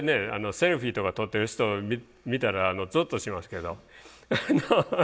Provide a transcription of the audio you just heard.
セルフィーとか撮ってる人を見たらゾッとしますけど。